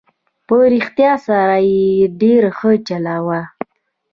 په رښتیا سره یې ډېره ښه چلوله.